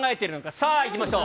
さあ、いきましょう。